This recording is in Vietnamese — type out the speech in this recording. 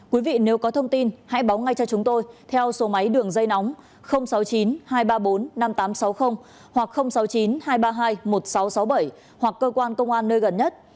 quý vị nếu có thông tin hãy báo ngay cho chúng tôi theo số máy đường dây nóng sáu mươi chín hai trăm ba mươi bốn năm nghìn tám trăm sáu mươi hoặc sáu mươi chín hai trăm ba mươi hai một nghìn sáu trăm sáu mươi bảy hoặc cơ quan công an nơi gần nhất